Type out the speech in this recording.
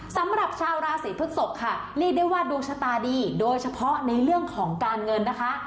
สำหรับชาวราศีพฤกษกค่ะเรียกได้ว่าดวงชะตาดีโดยเฉพาะในเรื่องของการเงินนะคะ